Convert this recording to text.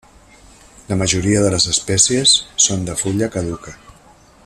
La majoria de les espècies són de fulla caduca.